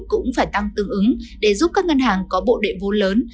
cũng phải tăng tương ứng để giúp các ngân hàng có bộ đệ vốn lớn